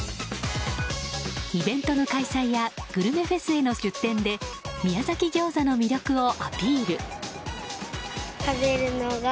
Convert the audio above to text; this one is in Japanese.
イベントの開催やグルメフェスへの出店で宮崎ギョーザの魅力をアピール。